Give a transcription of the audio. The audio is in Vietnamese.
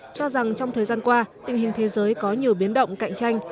cho rằng trong thời gian qua tình hình thế giới có nhiều biến động cạnh tranh